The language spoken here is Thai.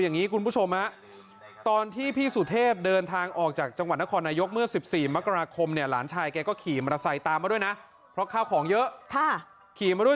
อย่างนั้นจะเดินไปพิสูจน์ลงใต้เลยก็บอกรักเธอเลย